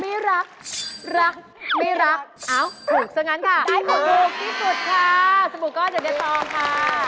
ไม่รักรักไม่รักเอ้าถูกซะงั้นค่ะได้ถูกที่สุดค่ะสบู่ก้อนเดี๋ยวจะทองค่ะ